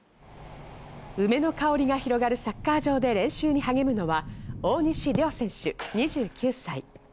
梅の香りが広がるサッカー場で練習に励むのは大西諒選手、２９歳。